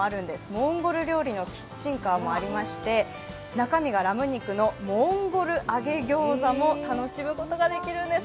モンゴル料理のキッチンカーもありまして、中身がラム肉のモンゴル揚げギョーザも楽しむことができるんです。